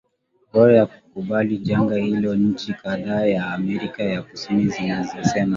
bora ya kulikabili janga hiloNchi kadhaa za Amerika ya Kusini zinasema